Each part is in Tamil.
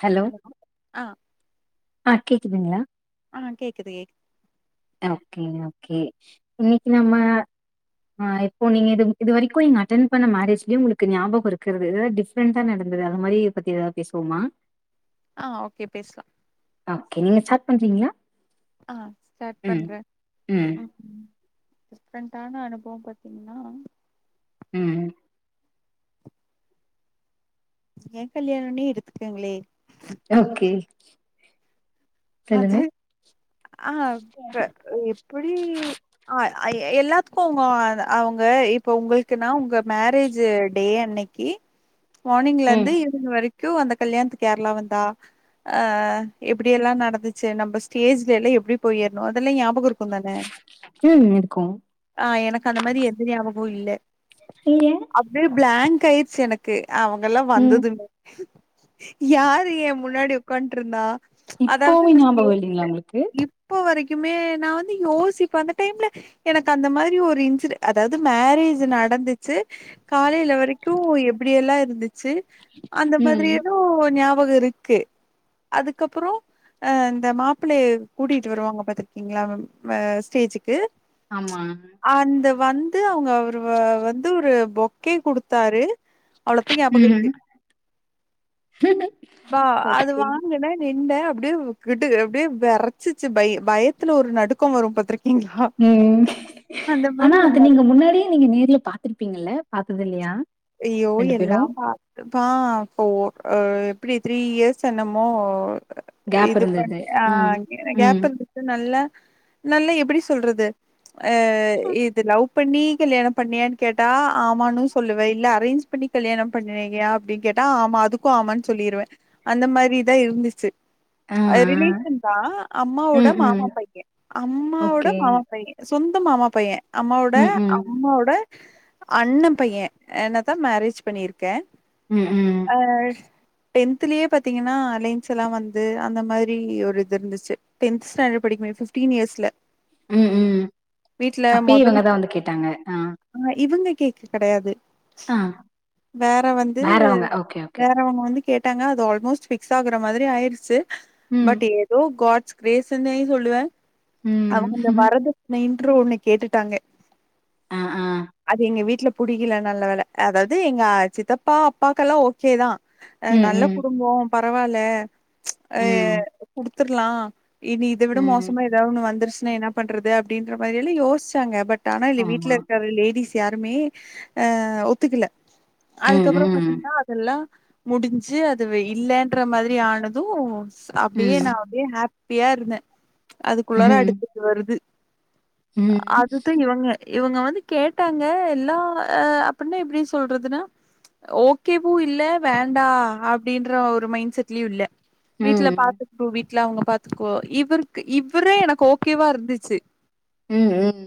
ஹலோ ஆ ஆஹ் கேக்குதுங்களா ஆஹ் கேக்குது ஓகே ஓகே இன்னைக்கி நம்ம ஆ இப்போ நீங்க இது இதுவரைக்கு நீங்க அட்டென் பண்ண மேரேஜ்லயே உங்களுக்கு ஞாபகோ இருக்கறது எதாவ்து டிஃபரெண்டா நடந்தது அந்த மாரி பத்தி ஏதாவது பேசுவோமா ஆஹ் ஓகே பேசலா க்கே நீங்க ஸ்டார்ட் பண்றீங்களா ஆஹ் ஸ்டார்ட் ம் பண்றே ம் உம் டிஃப்ரெண்டான அனுபவம் பாத்தீங்கன்னா உம் ஏன் கல்யாணன்னே எடுத்துக்கங்களே ஓகே அது சொல்லுங்க ஆஹ் ப்ர எப்டி ஆ ஆ எ எல்லாத்துக்கு அவுங்க அவங்க இப்ப உங்களுக்குனா உங்க மேரேஜ் டே அன்னைக்கி மார்னிங்ல ம் இருந்து ஈவினி்ங் வரைக் க்கு அந்த கல்யாணத்துக்கு கேரளா வந்தா அஹ் எப்டி எல்லா நட ந்துச்சு நம்ம ஸ்டேஜ்லல்லா எப்டி போயி ஏறணு அதெல்லா ஞாபக இருக்கு க்குந்தானே ம் இருக்கு ஆஹ் எனக்கு அந்த மாரி எந்த ஞாபக பு இல்ல ஏ அப்டியே பிளாங்க் க்காயிருச்சு எனக்கு அவங்க எல்லா ம் வந்ததில்ல யார் ஏன் முன்னாடி உக்கான்ட்ருந்தா இப்போ இப்பவு ஞாபகோ வல்லீங்களா உங்களுக்கு க்குமே நா வந்து யோசிப்பே அந்த டைம்ல எனக்கு அந்த மாரி ஒரு இன்சிட அதாவது மேரேஜ் நடந்துச்சு காலைல வரைக்கு எப்டியெல்லா இருந்துச்சு ச்சு அந்த மாரி ம் ஏதும் ஞா ஞாபகோ இருக்கு அதுக்கப்புறோ ஆ இந்த மாப்ளய கூட்டிட்டு வருவாங்க பாத்துருக்கீங்களா ஆ ஸ்டேஜுக்கு ஆமா அந்த வந்து அவங்க அவரு வ வந்து ஒரு பொக்கே குடுத்தாரு அவ்ளோத்தா ஞாபகோ இருக்கு ம் பா அது ஓகே வாங்கல நீ இந்த அப்டியே க்டு அப்டியே வெரைச்சிச்சு பய பயத்துல ஒரு நடுக்கோ வரு பாத்ரிக் ம் மாரி ஆனா அது நீங்க முன்னாடியே நீங்க நேர்ல பாத்துருப்பீங்கல்ல பாத் ததில்லையா ஐயோ எல்லா பாத்துப்பா அப்போ ஹ எப்டி த்ரீ இயர்ஸ் என்னமோ கேப் இது பண்ண இருந்தது. ம். ஆஹ் கேப் ம். இருந்துது நல்லா நல்லா எப்டி சொல்றது அஹ் இதுலவ் பண்ணி கல்யாணோ பண்ணியான்னு கேட்டா ஆமான்னு சொல்லுவே இல்ல அரேஞ்ச் பண்ணி கல்யாணோ பண்ணுவியா அப்டின்னு கேட்டா ஆமா அதுக்கு ஆமான்னு சொல்லிருவே அந்த மாரிதா இருந்துச்சு ஆ, ஆ. ரிலேஷன் தா அம்மாவோட ம், மாமா ம். பையன் அம்மாவோட ஓகே. மாமா பையன் சொந்த ந்த மாமா பைய அம்மாவோட ம், ம். அம்மாவோட அண்ணன் பையன் என்னதா மேரேஜ் பண்ணியிருக்கே உம் உம் டென்த்லயே பாத்தீங்கன்னா அலைன்ஸ்லா வந்து அந்த மாரி ஒரு இது இருந்துச்சு டென்த் ஸ்டாண்டர்ட் படிக்கும்போது ஃபிப்டீன் இயர்ஸ்ல உம் உம் வீட்ல அப்பயே மொதல் இவங்கதா வந்து கேட்டாங்க ஆஹ் கேக்கு கெடையாது வேற வந்து வேறவங்க. Okay, okay. வேறவங்க வந்து கேட் ட்டாங்க அது ஆல்மோஸ்ட் ஃபிக்ஸ் ஆகுறா மாதிரி ஆயிடுச்சு ம், பட் ஏதோ காட் ஸ்க்ரேஸ்ன்னே சொல்லுவேன் அவங்க அந்த ம். வரதட்சணையின் [unintelligible] ஒண்ணு கேட்டுட்டாங்க ஆ, ஆ. அது எங்க வீட்ல புடிக்கில நல்ல வேல அதாவது எங்க சித்தப்பா அப்பாக்கெல்லா ஓகே தா அ ம், நல்ல ம். குடும்போ பரவால்ல அ ம், குடுத் [unintelligible] இனி இத விட ம். மோசமா எதாவது ஒன்னு வந்துருச் ன்னா என்ன பண்றது அப்டின்ற மாரியெல்லா யோசிச்சாங்க பட் ஆனா இது வீட்ல ஆமா. இருக்கற லேடீஸ் யாருமே ஆஹ் ஒத்துக்கல ம், அதுக்கப்பறம் ம். பாத்திங்கனா அதெல்லா முடிஞ்சு அது வேஇல்லன்ற மாதரி ஆனதும் அப்டியே ம். நான் அப்டியே ஹாப் பியா இருந்தேன் அதுக்குள்ளார ம். அடுத்தது வருது ம். அடுத்து இவங்க இவங்க வந்து கேட்டாங்க எல்லா ஆ அப்பன்னா எப்டின் சொல்றதுனா ஓகே உ இல்ல வேண்டா அப்டின்ற ஒரு மைண்ட் செட்லியும் இல்ல வீட்ல ம். பாத்துகு வீ இல்ல அவங்க பாத்துக்கோ இவருக்கு இவரே எனக்கு ஓகேவா இருந்துச்சு ம் ம்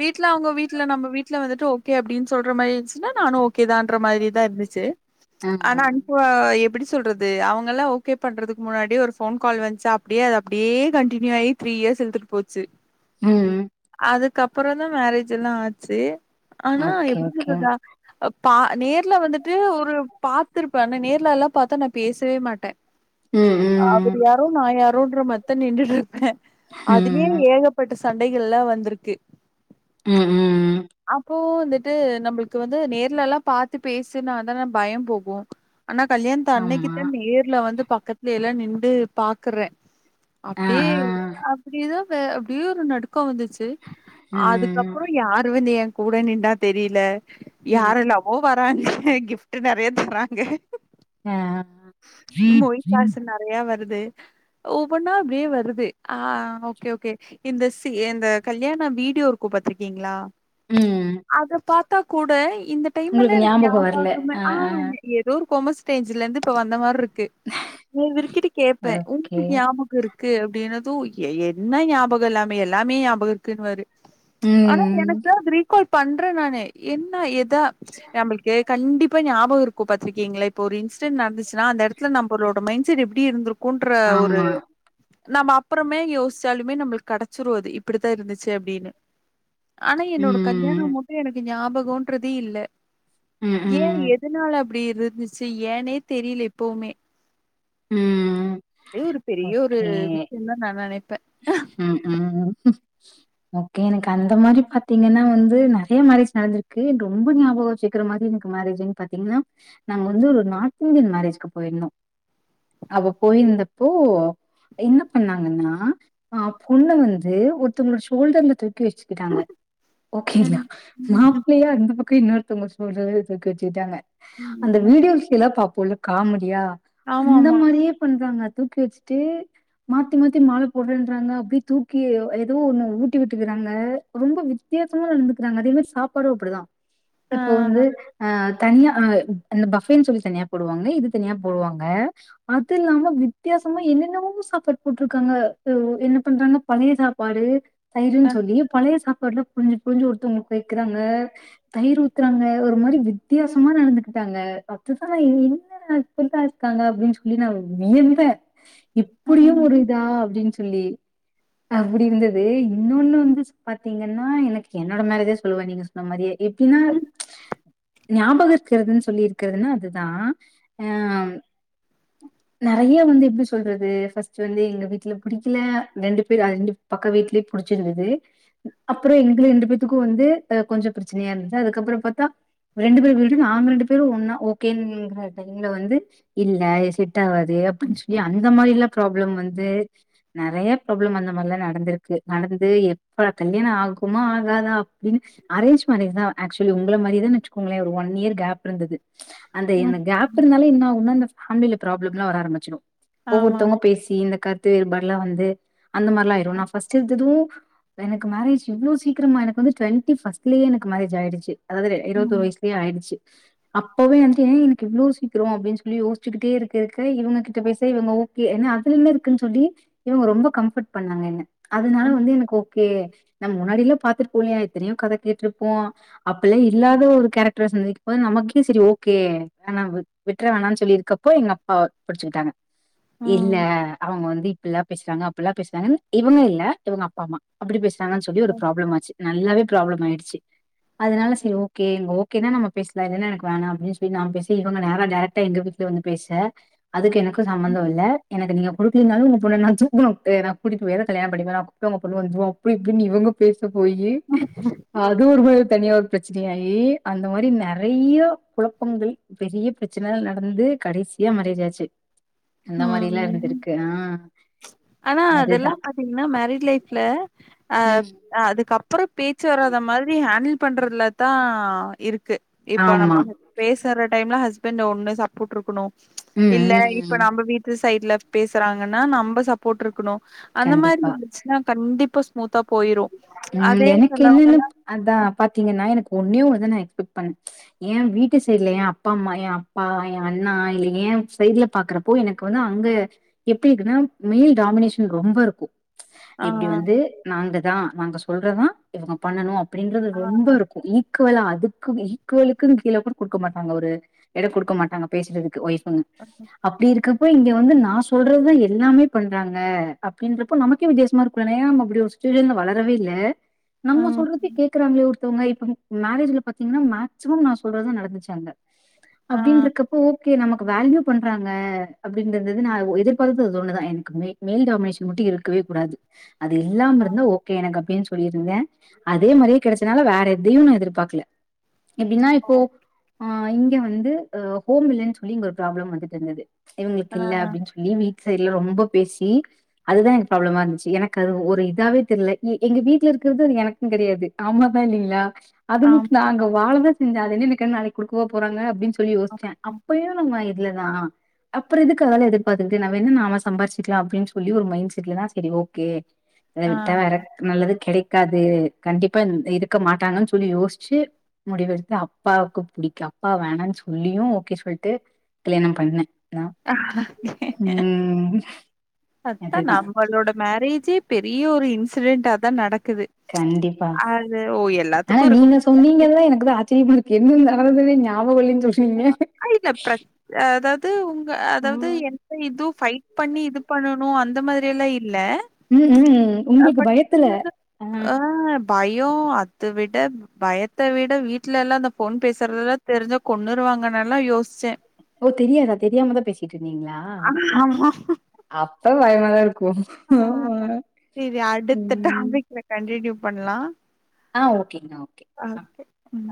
வீட்ல அவங்க வீட்ல நம்ம வீட்ல வந்துட்டு ஓ ஓகே அப்டின்னு சொல்ற மாறி இருந்துச்சுனா நானும் ஓகே தான்ற மாறி தான் இருந்துசு ஆ. ஆனா அனுப எப்டி சொல்றது அவங்களாம் ஓகே பண்றதுக்கு முன்னாடி ஒரு போன் கால் வந்சா அப்டியே அது அப்டியே கண்டினியூ ஆய் த்ரீ இயர்ஸ் இழுத்துட்டு போச்சு ம் அப்புற தான் மேரேஜ் எல்லா ஆச்சு ஆனா ஓகே, எப்படி ஓகே. சொல்றதா அப் பா நேர்ல வந்துட்டு ஒரு பாத்திருப்ப ஆனா நேர்ல எல்லா பாத்தா நா பேசவே மாட்டேன் ம், அவர் ம். யாரோ நான் யார் [unintelligible] [inaudible] அதுலேய ம். ஏகப்பட்ட சண்டைகள்லாம் வந்திருக்கு ம் ம் ம் அப்பே வந்துட்டு நம்மளுக்கு வந்து நேர்லயேல்லாம் பாத்து பேசுணதான பயம் போகும் ஆனா கல்யாணத் அன்னைக்கு ஆமா. தான் நேர்ல வந்து பக்கதுலயெல்லம் நிண்டு பாக்குறேன் ஆ, அப்டி ஆ. அப்டி ஏதோ அ அப்டியே ஒரு நடு பக்கம் வந்துச்சு ம் அதுக்கப்பறம் யாரு வந்து ஏர் கூட நின்னா தெரில ம் யாரெல்லாவோ வரா கிஃப்ட் நெறையா தராங்க ஆ [inaudible] து ஒவ்வொன்னா அப்டியே வருது ஆ ஓகே ஓகே இந்த இந்த கல்யாணம் வீடியோ இருக்கும் பாதிர்க்கிங்களா இப்ப கூட இந்த டைம் எல்லா உங்களுக்கு எனக்கு ஞாபகோ வரல ஞாபாகமே ஆ ஏதோ ஒரு கொமஸ்டேஜ்ல இருந்து இப்ப வந்த மார்ருக்கு [unintelligible] இவறுக்கிட்டு ஆ கேப்பேன் ஓகே உங்ளுக்கு ஞாபகம் இருக்கு அப்டினு து எ என்ன ஞாபகோ இல்லாம எல்லாமே ஞாபகோ இருக்குன்னுவாரு ஆனா ம் எனக்கு [unintelligible] போய் பண்றே நானு என்ன எத் தா நம்ளுக்கு கண்டிப் இப்ப ஞாபகொ இருக்கு பாத்திருக்கீங்களா இப்ப ஒரு இன்சிடெட் நடந்துச்சுன்னா அந்த எடத்துல நம்பளோட மைண்ட் செட் எப்டி இருந்துருக் குன்ற ஒரு ஆமா நம்ம அப்புறமே யோசிச்சாலுமே நம்மளுக்கு கெடைச்சிரு அது இப்பிடித்தா இருந்துச்சு அப்டின்னு ஆனா என்னோட ம் கல்யாணம் மட்டு எனக்கு ஞாபக் கோன்றது இல்ல ம் ஏன் ம் எதனால அப் ப்டி இருந்துச்சி ஏனே தெரில எப்பவுமே ம் அது ஒரு பெரிய ஒரு ஓகே விஷயம் தானு நான் நினைப்பேன் ம் ம் ஓகே எனக்கு அந்த மாரி பாத்தீங்கன்னா வந்து நெறைய மேரேஜ் நடந்திருக்கு ரொம்ப ஞாபகோ வச்சிக்கிற மாரி எனக்கு மேரேஜ்ன்னு பாத்தீங்கன்னா நாங்க வந்து ஒரு நார்த் இந்தியன் மேரேஜ்க்கு போயிருந்தோ அவ போயிருந்தப்போ என்ன பண்ணாங்கன்னா ஆஹ் பொண்ணு வந்து ஒருத்தவங்களோட ஷோல்டர்ல தொட் க்கி வச்சுக்கிட்டாங்க ஓகேயா ம். மாப்ளையா இந்த பக் க்கு இன்னொருத்தங்க சொல்றது இது [unintelligible] அந்த ம். வீடியோஸ் எல்லாம் பா போல காமெடியா அந்த ஆமாமா. மாதிரியே பண்றாங்க தூக்கி வச்சுட்டு மாத்தி -மாத்தி மால உரள்றாங்க அப்டியே தூக்கி எதோ ஒண்ணு ஊட்டி விட்டுக்கறாங்க ரொம்ப வித்தியாசமா நடந்துக்கிறாங்க அதே மாரி சாப்பாடும் அப்பிடிதா ஆ. இப்போ வந்து அஹ் தனியா ஹ இந்த பஃபேன்னு சொல்லி தனியா போடுவாங்க இது தனியா போடுவாங்க அது இல்லாம வித்தியாசமா என்னென்னவோ சாப்பாடு போட்ருக்காங்க [unintelligible] என்ன பண்றாங்க பன்னீர் சாப்பாடு தயிருன்னு அ. சொல்லி பழைய சாப் [inaudible] புலிஞ்சி புலிஞ்சி ஒருத்தவங்களுக்கு வைக்கிறாங்க தயிர் ஊத்துறாங்க ஒரு மாரி வித்தியாசமா நடந்துகிட்டாங்க அதுதான் என் என்ன இப்பல்லாம் இருக்காங்க அப்டின்னு சொல்லி நான் வியந்தேன் எப்பிடியும் ம். உரியதா அப்டின்னு சொ சொல்லி அப்டி இருந்தது இன்னொன்னு வந்து பாத்தீங்கன்னா எனக்கு என்னோட மேரேஜ்யே சொல்லுவேன் நீங்க சொன்ன மாரியே எப்டின்னா ஞாபக க்கிறதுன்னு சொல்லி இருக்கிறதுன்னா அதுதா ஆ நெறைய வந்து எப்டி சொல்றது ஃபஸ்ட் வந்து எங்க வீட்ல பிடிக்கல ரெண்டு பேர் அது ரெண்டு பக்க வீட்லயே புடிச்சிருந்தது அப்றோ எங்கள ரெண்டு பேத்துக்கு வந்து அ கொஞ்ச பிரச்சனையா இருந்துது அதுக்கப்றோ பாத்தா ரெண்டு பேரு வீடும் நாங்க ரெண்டு பேரும் ஒன்னா ஓகேங்கிற டைம்ல வந்து இல்ல இது செட் ஆகாது அப்டின்னு சொல்லி அந்த மாரியெல்லா ப்ராப்ளம் வந்து நெறைய ப்ராப்ளம் அந்த மாரில்லா நடந்திருக்கு நடந்து எப்ப கல்யாணோ ஆகுமா ஆகாதா அப்டின்னு அரேஞ்ச் மேரேஜ்தா ஆக்சுவலி உங்கள மாரிதான்னு வச்சுக்கோங்களே ஒரு ஒன் இயர் கேப் இருந்தது அந்த இந்த ம். கேப் இருந்தாலு என்ன உன்னா அந்த ஹண்ணுல பராப்ளம் எல்லா வர ஆரம்பிச்சிடு ஆமா. ஒவ்வொருத்தவங்க பேசி இந்த க து இது மாரில்லா வந்து அந்த மாரில்லா ஆயிரு நா ஃபர்ஸ்ட் எடுத்ததும் எனக்கு மேரேஜ் இவ்ளோ சீக்கிரமா எனக்கு வந்து டுவெண்டி ஃபர்ஸ்ட்லயே எனக்கு மேரேஜ் ஆயிடுச்சு அதாவது இருபத்தோரு ம். வயசுலயே ஆயிடுச்சு அப்பவே வந்து ஏன் எனக்கு இவ்ளோ சீக்கிரோ அப்டின்னு சொல்லி யோசிச்சுக்கிட்டே இருக்க இருக்க இவங்ககிட்ட பேசா இவங்க ஓகே என்ன அதுல என்ன இருக்- க்குன்னு சொல்லி இவங்க ரொம்ப கம்ஃபர்ட் பண்ணாங்க என்ன அதனால ம். வந்து எனக்கு ஓகே நம்ம முன்னாடியல்லா பாத்துருப்போ இல்லையா எத்தனையோ கதை கேட்ருப்போ அப்பயெல்லா இல்லாத ஒரு கேரக்டர சந்திக்கும் போது நமக்கே செரி ஓகே வேணா விட்ற வேணான்னு சொல்லி இருக்கப்போ எங்க அப்பா புடிச்சுக்கிட்டாங்க ம். இல்ல வந்து இப்டில்லா பேசுறாங்க அப்டில்லா பேசுறாங்கன்னு இவங்க இல்ல இவங்க அப்பா அம்மா அப்பிடி பேசு க்காங்கன்னு சொல்லி ஒரு ப்ராப்ளம் ஆச்சு நல்லாவே ப்ராப்ளம் ஆயிடுச்சு அதனால செரி ஓகே இவங்க ஓகேனா நம்ம பேசலா இல்லனா எனக்கு வேணா அப்டின்னு சொல்லி நான் பேச இவுங்க நேரா டைரக்டா எங்க வீட்ல வந்து பேச அதுக்கு எனக்கு சம்பந்தோ இல்ல எனக்கு நீங்க குடுக்கலினாலு உங்க பொண்ண நா [unintelligible] நா கூட்டிட்டு போயாது கல்யாண பண்ணிப்பே நா கூப்ட்டா உங்க பொண்ணு வந்துரு அப்டி இப்டி இவுங்க பேச [unintelligible] போயி அது ஒரு [unintelligible] தனியா பிரச்சனையாயி அந்த மாரி நெறைய குழப்பங்கள் பெரிய பிரச்சனைல்லா நடந்து கடைசியா மேரேஜ் ஆச்சு அந்த மாரி எல்லா ம் இருந்திருக் ஆனா அதெல்லா பாத்தீங்னா மேரேஜ் லைஃப்ல ஆ ம் அ அதுக்கப் ப்புறோ பேச்சு வராத மாதிரி ஹேண்டில் பண்றதுலதா இருக்கு இப்ப ஆமா நம்ம பேசுற டைம்ல ஹஸ்பண்ட் ஒண்ணு சப்போர்ட் இருக்கணு இல்ல இப்ப உம்-உம் நம்ம வீட்டு சைட்ல பேசுறாங்கன்னா நம்ப சப்போர்ட் இருக்கணு அந்த மாரி இருந்துச்சுன்னா கண்டிப் [inaudible] உம் எனக்கு என்னன்னு சிலவங்கல்லா அதா பாத்தீங்கன்னா எனக் ஒண்ணே வந்து நான் எக்ஸ்பெக்ட் பண் ஏன் வீட்டு சைட்ல ஏன் அப்பா அம்மா ஏன் அப்பா ஏன் அண்ணா இல்ல ஏன் சைட்ல பாக்குறப்போ எனக்கு வந்து அங்க எப்டி இருக்குன்னா மேல் டாமினேஷன் ரொம்ப இருக்கும் ஆ இப்டி வந்து நாங்க தா நாங்க சொல்றதுதா இவுங்க பண்ணனு அப்டின்றது ஆ ரொம்ப இருக்கும் [unintelligible] க்குவலா அதுக்கு ஈக்குவலுக்கும் கீழ கூட குடுக்க மாட்டாங்க ஒரு எடோ குடுக்க மாட்டாங்க பேசுறதுக்கு [unintelligible] ம் அப்டி இருக்க இப்ப இங்க வந்து நான் சொல்றதுதா எல்லாமே பண்றாங்க அப்டின்றப்போ நமக்கே வித்தியாசமா இருக்குல்லயா நம்ம அப்டி யோசிச் திடீர்னு வளரவே இல்ல நம்ம ம் சொல்றத கேக்குறாங்களே ஒரு த்தவங்க இப்போ மேரேஜ்ல பாத்தீங்கன்னா மேக்சிமம் நா சொல்றதுதா நடந்துச்சு அங்க ஆ அப்டின்றக்கப்போ ஓகே நமக்கு வேல்யூ பண்றாங்க அப்டின்றது வந்து நா எதிர்பாத்தது அது ஒண்ணுதா எனக்கு மே மேல் டாமினேஷன் மட்டு இருக்கவே கூடாது அது இல்லாம இருந் ந்தா ஓகே எனக்கு அப்டின்னு சொல்லியிருந்தே அதே மாரியே கெடைச்சனால வேற எதையு நா எதிர்பார்க்கல எப்டின்னா ஓ, இப்போ ஆஹ் இங்க வந்து ஆ ஹோம் இல்லன்னு சொல்லி இங்க ஒரு ப்ராப்ளம் வந்துட்ருந்தது இவங்களுக்கு ஆ இல்ல அப்டின்னு சொல்லி வீட் சைட்ல ரொம்ப பேசி அதுதா எனக்கு ப்ராப்ளமா இருந்துச்சு எனக்கு அது ஒரு இதாவே தெர்ல எ எங்க வீட்ல இருக்குறது அது எனக்குந் தெரியாது ஆமாவா இல்லிங்களா அது மட்டு நாங்க ஆமாமா வாழவே ந்த [unintelligible] நாளைக்கி குடுக்கவா போறாங்க அப்டின்னு சொல் சொல்லி யோசிச்சே அப்பயு நம்ம இல்லதா அப்றோ எதுக்கு அதெல்லா எதிர்பார்த்துக்குட்டு நா வேண்ணா நாம சம்பாரிச்சுக்கலா அப்டின்னு சொல்லி ஒரு மைண்ட் செட்லதா செரி ஓகே ஆ [unintelligible] டைரக்ட் நல்லது கெடைக் க்காது கண்டிப்பா அத் இருக்க மாட்டாங்கன்னு சொல்லி யோசிச்சு முடிவெடுத்து அப்பாவுக்கு பிடிக்க அப்பா வேணான்னு சொல்லியு ஓகே சொல்ட்டு கல்யாணோ பண்ணே நா ம் அதா அதுதா நம்மளோட மேரேஜே பெரிய ஒரு இன்சிடெண்டாதா நடக் கண்டிப்பா ஆனா எல்லாத்துக்கும் இருக்கும். நீங்க சொன்னீங்கதா எனக்குதா ஆச் ஆச்சரியமா இருக்கு என்ன நடந்ததுன்னு ஞாபகோ இல்லைன் [unintelligible] த்து உங் அ அதாவது எந்த இது ஃபைட் பண்ணி இது பண்ணணு அந்த மாதிரியெல்லா இ உம் உம் உங்களுக்கு பயத்துல ஆஹ் பயோ அத விட பயத்த விட வீட்லெல்லா அந்த ஃபோன் பேசுறதெல்லா தெரிஞ்சா கொண்ணுருவாங்கன்னெல்லா யோசிச்சே அப்ப தெரியாதா தெரியாமதா பேசிட் ட்ருந்தீங்களா அப்ப [unintelligible] [unintelligible] ஆ ஆஹ் சேரி அடுத்த ம் டாபிக்ல கண்டினியூ பண்லா ஆஹ் ஓகேங்க ஓக் அது உம்